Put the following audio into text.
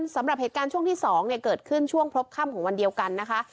สำหรับเหตุการณ์ช่วงที่๒เกิดขึ้นช่วงพบค่ำของวันเดียวกันนะคะ